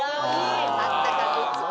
あったかグッズ。